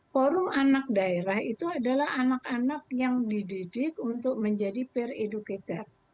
forum anak daerah itu adalah anak anak yang dididik untuk menjadi per educator